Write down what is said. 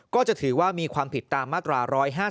ก็จะถือว่ามีความผิดตามมาตรา๑๕๗